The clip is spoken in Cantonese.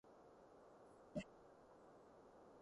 正一無好帶挈